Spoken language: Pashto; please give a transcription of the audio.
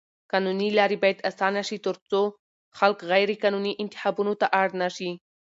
قانوني لارې بايد اسانه شي تر څو خلک غيرقانوني انتخابونو ته اړ نه شي.